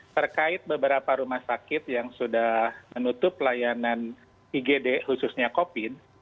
terkait beberapa rumah sakit yang sudah menutup layanan igd khususnya covid